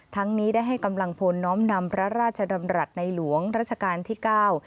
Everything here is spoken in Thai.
นี้ได้ให้กำลังพลน้อมนำพระราชดำรัฐในหลวงรัชกาลที่เก้า